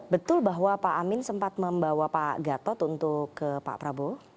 betul bahwa pak amin sempat membawa pak gatot untuk ke pak prabowo